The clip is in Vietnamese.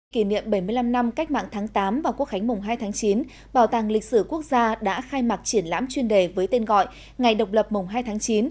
kỷ niệm bảy mươi năm năm cách mạng tháng tám và quốc khánh mùng hai tháng chín bảo tàng lịch sử quốc gia đã khai mạc triển lãm chuyên đề với tên gọi ngày độc lập mùng hai tháng chín